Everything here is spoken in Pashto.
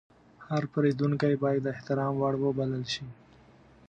هر پیرودونکی باید د احترام وړ وبلل شي.